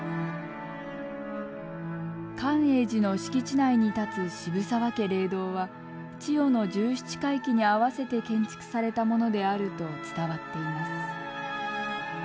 寛永寺の敷地内に建つ渋沢家霊堂は千代の１７回忌に合わせて建築されたものであると伝わっています。